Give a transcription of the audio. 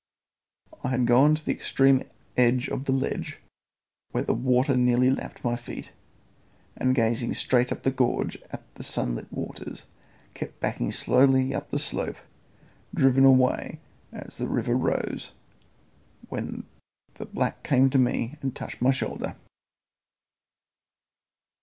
I had gone to the extreme edge of the ledge, where the water nearly lapped my feet, and gazing straight up the gorge at the sunlit waters, kept backing slowly up the slope, driven away as the river rose, when the black came to me and touched my shoulder.